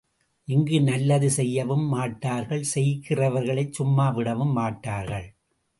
இங்கு நல்லது செய்யவும் மாட்டார்கள் செய்கிறவர்களை சும்மா விடவும்மாட்டார்கள்.